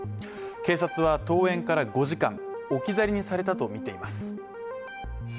警察は、登園から５時間置き去りにされたとみています。